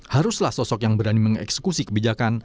haruslah sosok yang berani mengeksekusi kebijakan